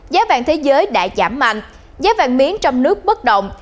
giá vàng thế giới đã giảm mạnh giá vàng miếng trong nước bất động